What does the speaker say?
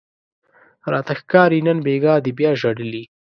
راته ښکاري نن بیګاه دې بیا ژړلي